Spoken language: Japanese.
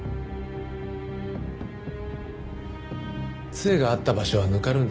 杖があった場所はぬかるんでた。